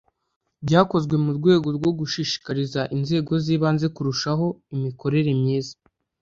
byakozwe mu rwego rwo gushishikariza inzego z'ibanze kurushaho imikorere myiza